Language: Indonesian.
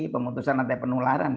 pemutusan nanti penularan